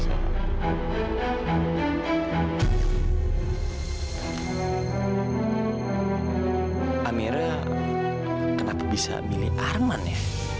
amera kenapa bisa milih arman ya